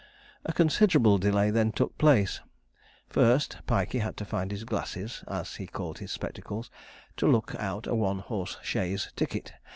A considerable delay then took place; first, Pikey had to find his glasses, as he called his spectacles, to look out a one horse chaise ticket.